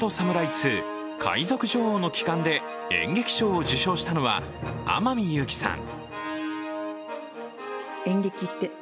２−海賊女王の帰還−」で演劇賞を受賞したのは天海祐希さん。